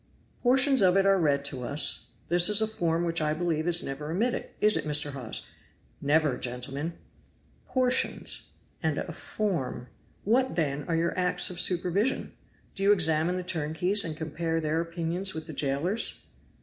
"Portions of it are read to us; this is a form which I believe is never omitted is it, Mr. Hawes?" "Never, gentlemen!" "'Portions!' and 'a form!' what, then, are your acts of supervision? Do you examine the turnkeys, and compare their opinions with the jailer's?"